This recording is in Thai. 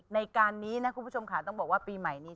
ในการนี้นะคุณผู้ชมค่ะต้องบอกว่าปีใหม่นี้